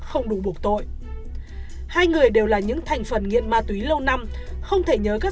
không đủ buộc tội hai người đều là những thành phần nghiện ma túy lâu năm không thể nhớ các